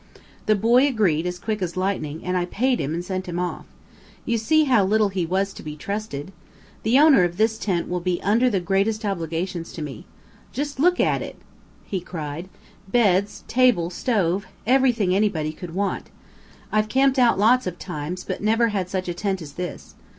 The boy agreed as quick as lightning, and I paid him and sent him off. You see how little he was to be trusted! The owner of this tent will be under the greatest obligations to me. Just look at it!" he cried. "Beds, table, stove, everything anybody could want. I've camped out lots of times, but never had such a tent as this.